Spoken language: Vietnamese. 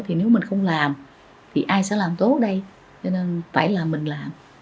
thì nếu mình không làm thì ai sẽ làm tốt đây cho nên phải là mình làm